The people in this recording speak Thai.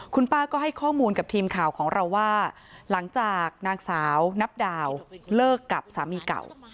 คุณป้าก็ให้ข้อมูลกับทีมข่าวของเราว่าหลังจากนางสาวนับดาวเลิกกับสามีเก่า